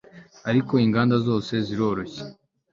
ariko inganda zose ziroroshye